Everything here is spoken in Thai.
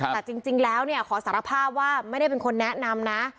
แต่จริงแล้วขอสารภาพว่าไม่ได้เป็นคนแนะนำนะ